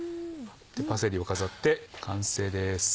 パセリを飾って完成です。